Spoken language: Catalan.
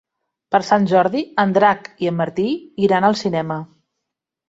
Per Sant Jordi en Drac i en Martí iran al cinema.